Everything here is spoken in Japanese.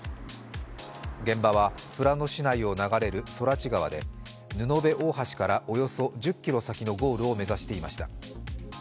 現場は富良野市内を流れる空知川で布部大橋からおよそ１０ｋｍ先のゴールを目指していました。